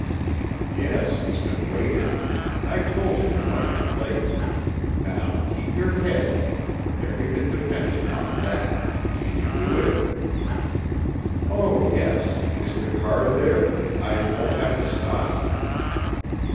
"Yes. He's been waiting. I told him you might be late. Now, keep your head. Everything depends upon that. Can you do it?" "Oh, yes. Is the car there? I won't have to stop?"